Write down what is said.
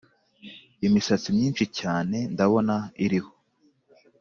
imisatsi myinshi cyane ndabona, iriho